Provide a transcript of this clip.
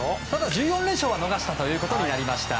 １４連勝は逃したということになりました。